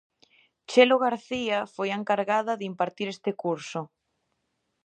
Chelo García foi a encargada de impartir este curso.